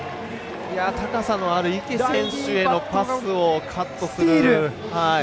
高さのある池選手へのパスをカットするという。